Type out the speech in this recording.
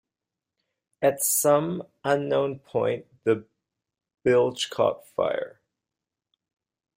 At some unknown point the bilge caught fire.